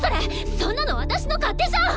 そんなの私の勝手じゃん！